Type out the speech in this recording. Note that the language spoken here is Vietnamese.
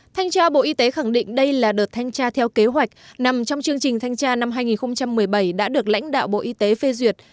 thanh tra bộ y tế khẳng định đây là đợt thanh tra theo kế hoạch nằm trong chương trình thanh tra năm hai nghìn một mươi bảy đã được lãnh đạo bộ y tế phê duyệt